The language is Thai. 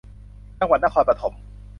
จังหวัดนครปฐม